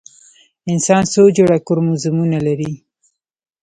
انسان څو جوړه کروموزومونه لري؟